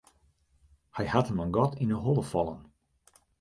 Hy hat him in gat yn 'e holle fallen.